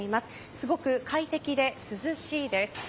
すごく快適で涼しいです。